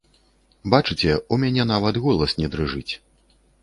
Бачыце, у мяне нават голас не дрыжыць.